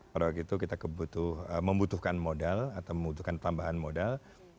pada waktu itu kita membutuhkan modal atau membutuhkan tambahan modal